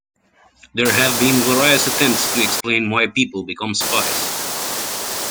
There have been various attempts to explain why people become spies.